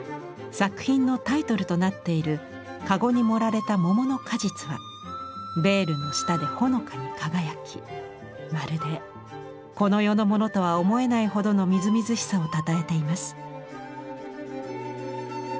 作品のタイトルとなっているかごに盛られた桃の果実はベールの下でほのかに輝きまるでこの世のものとは思えないほどのみずみずしさをたたえています。